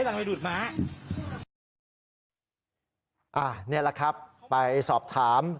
นี่แหละครับไปสอบถาม